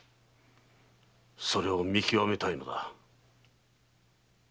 それを見極めたいのだ。